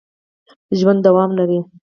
ژوند دوام لري